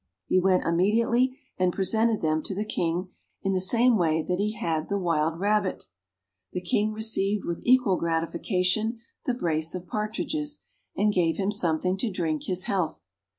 He went immediately and presented them to the King, in the same way that he had the wild rabbit. The King received with equal gratification the brace of partridges, and gave him something to drink his health.